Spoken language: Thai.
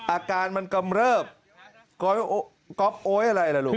อาการมันกำเริบ๊อบโอ๊ยอะไรล่ะลูก